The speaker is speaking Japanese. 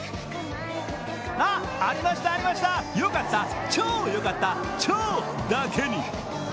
あ、ありました、ありました、よかった、超よかった、ちょうだけに。